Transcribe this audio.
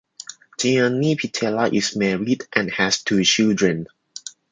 Gianni Pittella is married and has two children.